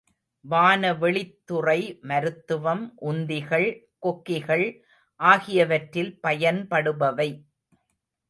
வானவெளித்துறை, மருத்துவம், உந்திகள் கொக்கிகள் ஆகியவற்றில் பயன்படுபவை.